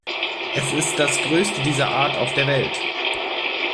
Es ist das größte dieser Art auf der Welt.